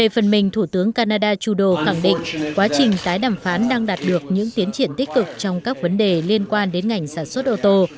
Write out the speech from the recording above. phần mình thủ tướng canada trudeau khẳng định quá trình tái đàm phán đang đạt được những tiến triển tích cực trong các vấn đề liên quan đến ngành sản xuất ô tô